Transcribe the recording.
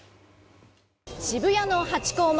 渋谷のハチ公前。